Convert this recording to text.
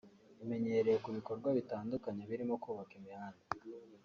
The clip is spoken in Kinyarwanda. Imenyerewe mu bikorwa bitandukanye birimo kubaka imihanda